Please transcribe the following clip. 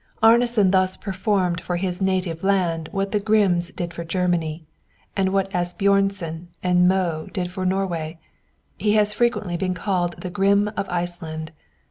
Arnason thus performed for his native land what the Grimms did for Germany, and what Asbjörnsen and Moe did for Norway. He has frequently been called the "Grimm of Iceland."